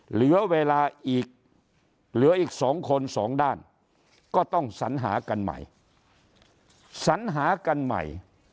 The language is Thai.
เหลือเวลาอีก๒คน๒ด้านก็ต้องสัญหากันใหม่